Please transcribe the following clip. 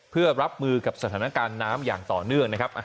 เพื่อรับมือกับสถานการณ์น้ำอย่างต่อเนื่องนะครับ